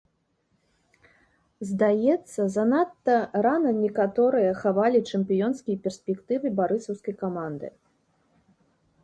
Здаецца, занадта рана некаторыя хавалі чэмпіёнскія перспектывы барысаўскай каманды.